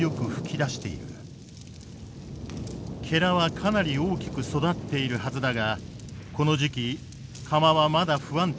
かなり大きく育っているはずだがこの時期釜はまだ不安定だ。